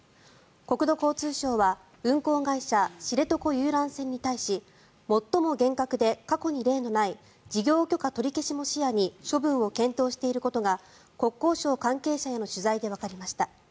国土交通省は運航会社、知床遊覧船に対し最も厳格で過去に例のない事業許可取り消しも視野に処分を検討していることが国交省関係者への取材でわかりました。